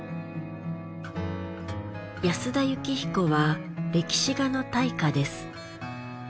安田靫彦は歴史画の大家です。